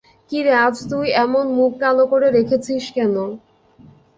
কিরে, আজ তুই এমন মুখ কালো করে রেখেছিস কেন?